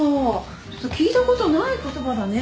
ちょっと聞いたことない言葉だね。